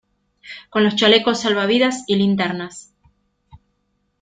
con los chalecos salva -- vidas y linternas.